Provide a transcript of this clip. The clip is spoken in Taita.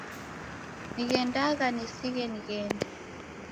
Nighendagha nisighe nighende.